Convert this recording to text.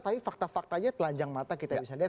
tapi fakta faktanya telanjang mata kita bisa lihat